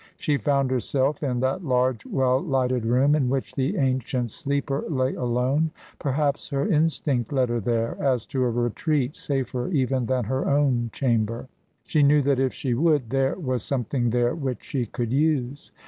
She found herself in that large, well lighted room in which the ancient sleeper lay alone. Perhaps her instinct led her there as to a retreat safer even than her own chamber. She knew that if she would there was something there which she could use.